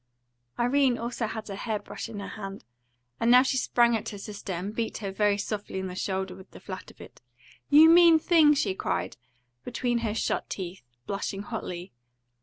Irene also had her hair brush in her hand, and now she sprang at her sister and beat her very softly on the shoulder with the flat of it. "You mean thing!" she cried, between her shut teeth, blushing hotly.